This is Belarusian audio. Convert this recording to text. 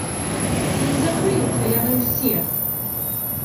Ці не закрыюцца яны ўсе?